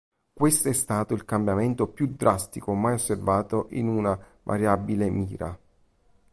Questo è stato il cambiamento più drastico mai osservato in una variabile Mira.